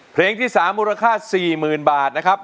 เพลงที่๓มูลค่า๔๐๐๐บาทนะครับ